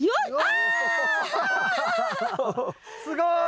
すごい！